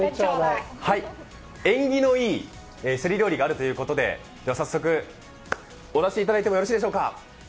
縁起のいいセリ料理があるということで、早速、お出しいただいてもよろしいでしょうか。